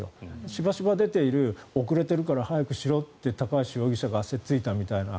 しばしば出ている遅れているから早くしろって高橋容疑者がせっついたみたいな。